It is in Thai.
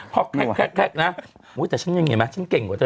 พอแคล็กนะโอ๊ยแต่ฉันยังไงนะฉันเก่งกว่าเธอ